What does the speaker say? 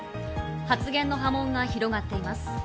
発言の波紋が広がっています。